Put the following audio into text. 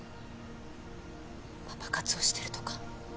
パパ活をしてるとか。